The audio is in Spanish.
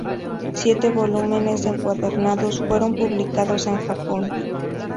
Siete volúmenes encuadernados fueron publicados en Japón.